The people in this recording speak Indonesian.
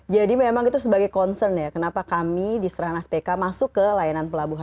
jadi memang itu sebagai concern ya kenapa kami di strana spk masuk ke pelayanan pelabuhan